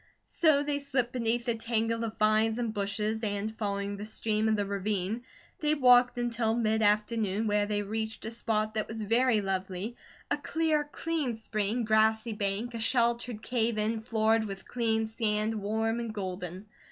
So they slipped beneath the tangle of vines and bushes, and, following the stream of the ravine, they walked until mid afternoon, when they reached a spot that was very lovely, a clear, clean spring, grassy bank, a sheltered cave in floored with clean sand, warm and golden.